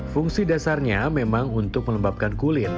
fungsi dasarnya memang untuk melembabkan kulit